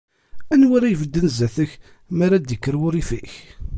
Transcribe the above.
Anwa ara ibedden sdat-k, mi ara d-ikker wurrif-ik?